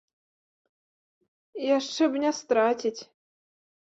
Яшчэ б не страціць!